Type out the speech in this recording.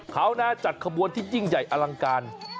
เขานะจัดขบวนที่ยิ่งใหญ่อลังการ